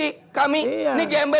negara ini bukan cuma pereman